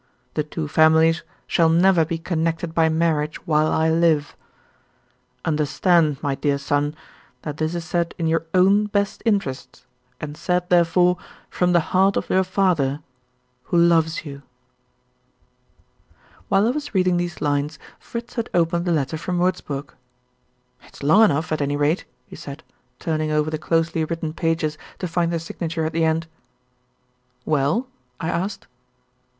The two families shall never be connected by marriage while I live. Understand, my dear son, that this is said in your own best interests, and said, therefore, from the heart of your father who loves you." While I was reading these lines Fritz had opened the letter from Wurzburg. "It's long enough, at any rate," he said, turning over the closely written pages to find the signature at the end. "Well?" I asked.